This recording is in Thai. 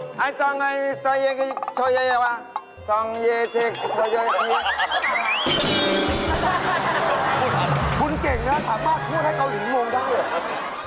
คุณเก่งแล้วค่ะมากเที่ยวให้เกาหลีงงงด้วย